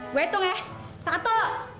gue hitung ya satu